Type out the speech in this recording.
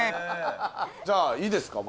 じゃあいいですか